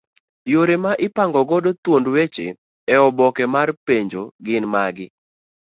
Yore ma ipango godo thuond weche eoboke mar penjo gin magi